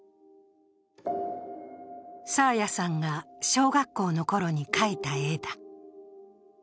爽彩さんが小学校のころに描いた絵だ。